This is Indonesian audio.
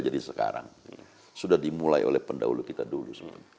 jadi sekarang sudah dimulai oleh pendahulu kita dulu